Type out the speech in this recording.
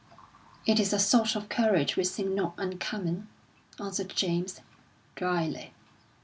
"It is a sort of courage which seemed not uncommon," answered James, drily.